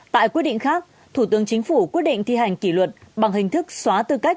tại quyết định khác thủ tướng chính phủ quyết định thi hành kỷ luật bằng hình thức xóa tư cách